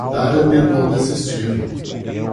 Tara tentou desistir.